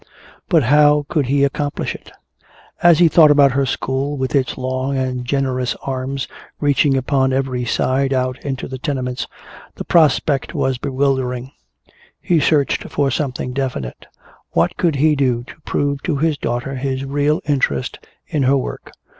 But how could he accomplish it? As he thought about her school, with its long and generous arms reaching upon every side out into the tenements, the prospect was bewildering. He searched for something definite. What could he do to prove to his daughter his real interest in her work?